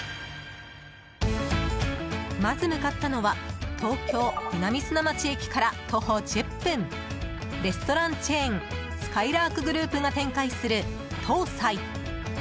まず向かったのは東京・南砂町駅から徒歩１０分レストランチェーンすかいらーくグループが展開する桃菜。